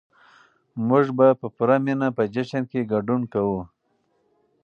موږ به په پوره مينه په جشن کې ګډون کوو.